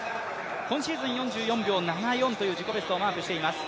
今シーズン４４秒７４という自己ベストをマークしています。